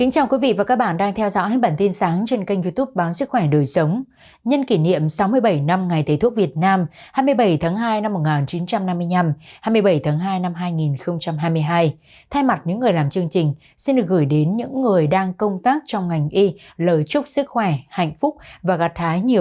các bạn hãy đăng ký kênh để ủng hộ kênh của chúng mình nhé